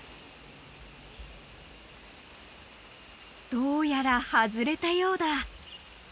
［どうやら外れたようだ］